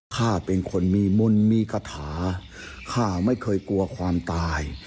ข้าเป็นคนมีมนต์มีคาถาข้าไม่เคยกลัวความตาย